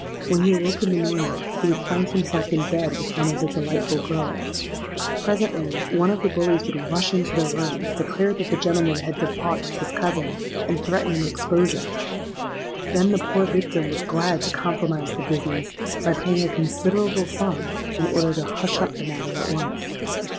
When he awoke in the morning, he would find himself in bed with one of the 'delightful girls.' Presently, one of the bullies would rush into the room, declare that the gentleman had debauched 'his cousin,' and threaten an exposure. Then the poor victim was glad to compromise the business by paying a considerable sum, in order to hush up the matter at once.